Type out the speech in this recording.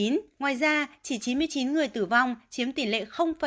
ngoài ra chỉ chín mươi chín người tử vong chiếm tỉ lệ ba